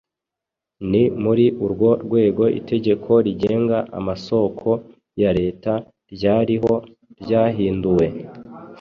Ni muri urwo rwego itegeko rigenga amasoko ya Leta ryariho ryahinduwe